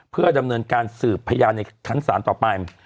เพื่อดำเนินการสืบพยานในชั้นศาลต่อไป